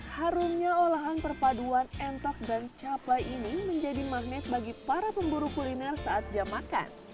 harumnya olahan perpaduan entok dan cabai ini menjadi magnet bagi para pemburu kuliner saat jam makan